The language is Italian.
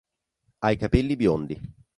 Ha i capelli biondi.